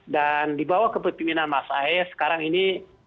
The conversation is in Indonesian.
dan di bawah kepentingan mas ahy sekarang ini